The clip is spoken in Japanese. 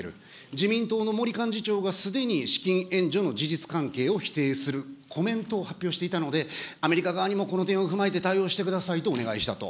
自民党のもり幹事長がすでに資金援助の事実関係を否定するコメントを発表していたので、アメリカ側にもこの点を踏まえて対応してくださいとお願いしたと。